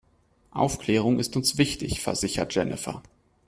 Aufklärung ist uns wichtig, versichert Jennifer.